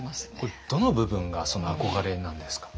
これどの部分が憧れなんですか？